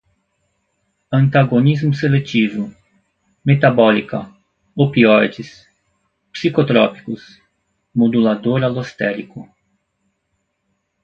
antagonista seletivo, metabólica, opioides, psicotrópicos, modulador alostérico